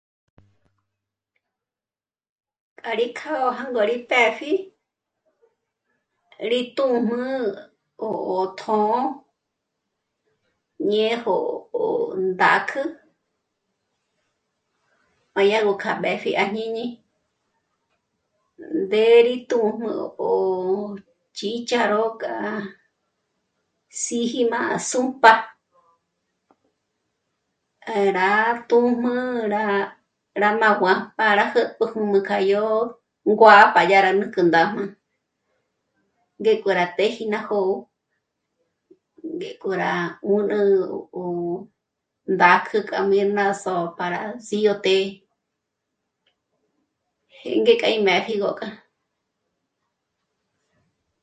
K'arí kjó'o jângó rí pëpji rí tū́jm'ü ó tjṓ'ō ñéjo ó ndák'ü, m'ádyagö k'a mbépji àjñíni nděrí tū́jm'ü ó chíjch'aró k'â'a sîji má s'ùmp'a. Rá tū́jm'ü rá m'água para jä́pjü hǔmü k'a yó nguá'a para dyà'a para ndǚk'ü ndájma. Ngéko rá tëji ná jó'o, ngéko rá 'ùnü o d'ák'ü k'a mí ná s'ó'o k'a sídyo té'e, jênge k'a í mépji ngók'a